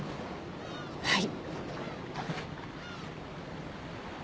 はい。